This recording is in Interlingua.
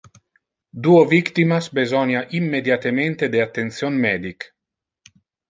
Duo victimas besonia immediatemente de attention medic.